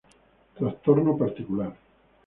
Trastorno particular.